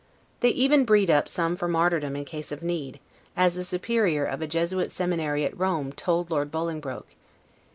They even breed up some for martyrdom in case of need; as the superior of a Jesuit seminary at Rome told Lord Bolingbroke.